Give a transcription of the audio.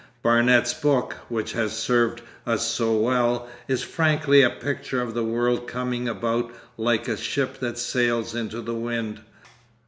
Barnet's book, which has served us so well, is frankly a picture of the world coming about like a ship that sails into the wind.